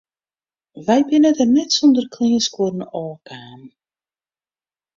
Wy binne der net sûnder kleanskuorren ôfkaam.